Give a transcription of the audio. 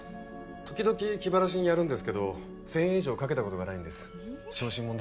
時々気晴らしにやるんですけど１，０００円以上賭けたことがないんです。